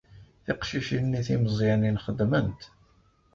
Tiqcicin-nni timeẓyanin xeddment.